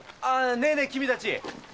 ねえねえ君たち。